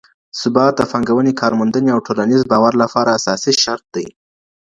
ثبات د پانګونې، کارموندنې او ټولنيز باور لپاره اساسي شرط دی.